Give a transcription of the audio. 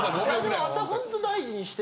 でも朝ホント大事にしてて。